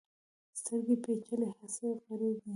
سترګې پیچلي حسي غړي دي.